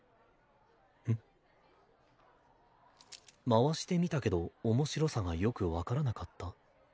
「回してみたけど面白さがよく分からなかった」？